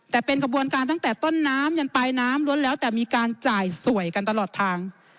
แต่เป็นกระบวนการตั้งแต่ต้นน้ำยันปลายน้ำล้วนแล้วแต่มีการจ่ายสวยกันตลอดทาง